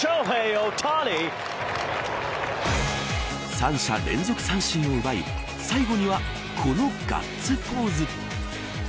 三者連続三振を奪い最後にはこのガッツポーズ。